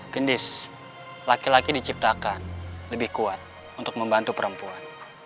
gendis laki laki diciptakan lebih kuat untuk membantu perempuan